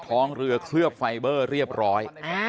ท้องเรือเคลือบไฟเบอร์เรียบร้อย